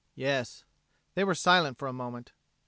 "Yes." They were silent for a moment.